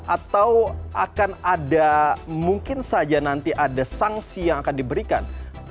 atau akan ada mungkin saja nanti ada sanksi yang akan diberikan